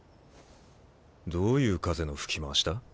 どういう風の吹き回しだ？